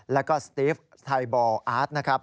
แล้วก็สติฟไทยบอลอาร์ตนะครับ